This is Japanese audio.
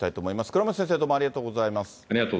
倉持先生、どうもありがとうございます。